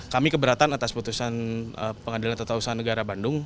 kami keberatan atas putusan pengadilan tata usaha negara bandung